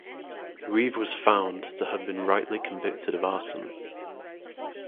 Reeve was found to have been rightly convicted of arson.